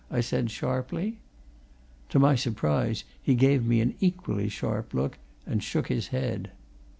I said sharply. To my surprise he gave me an equally sharp look and shook his head.